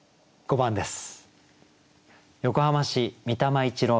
５番です。